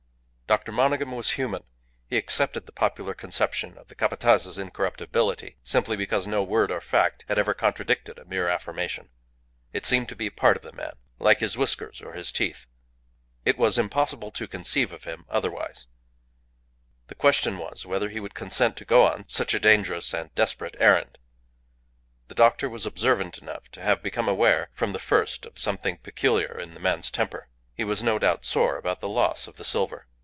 Dr. Monygham was human; he accepted the popular conception of the Capataz's incorruptibility simply because no word or fact had ever contradicted a mere affirmation. It seemed to be a part of the man, like his whiskers or his teeth. It was impossible to conceive him otherwise. The question was whether he would consent to go on such a dangerous and desperate errand. The doctor was observant enough to have become aware from the first of something peculiar in the man's temper. He was no doubt sore about the loss of the silver.